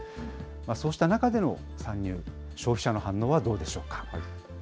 そうした中での参入、消費者の反応はどうでしょうか。